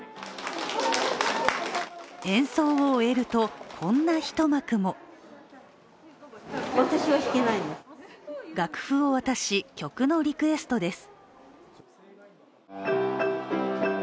演奏を終えるとこんな一幕も楽譜を渡し、曲のリクエストです。